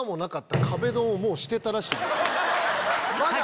もうしてたらしいです。